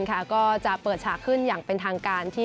ก็จะเปิดฉากขึ้นอย่างเป็นทางการ